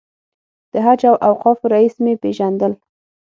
د حج او اوقافو رییس مې پېژندل.